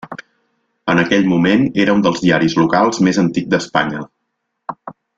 En aquell moment era un dels diaris locals més antic d'Espanya.